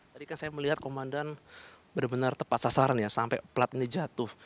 tadi kan saya melihat komandan benar benar tepat sasaran ya sampai plat ini jatuh